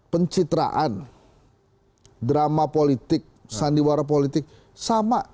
pencitraan drama politik sandiwara politik sama